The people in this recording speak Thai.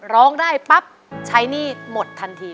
ร้องได้ปั๊บใช้หนี้หมดทันที